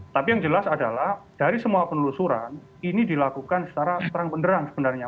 tapi yang jelas adalah dari semua penelusuran ini dilakukan secara terang penderang sebenarnya